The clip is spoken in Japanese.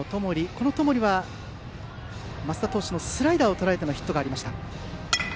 この選手は升田投手のスライダーをとらえてのヒットがありました。